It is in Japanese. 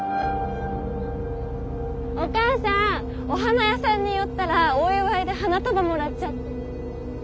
お母さんお花屋さんに寄ったらお祝いで花束もらっちゃっ。